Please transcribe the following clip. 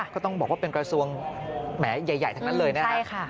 ก็ต้องบอกว่าเป็นกระทรวงแหมใหญ่ทั้งนั้นเลยนะครับ